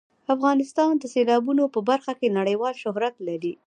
افغانستان د سیلابونه په برخه کې نړیوال شهرت لري.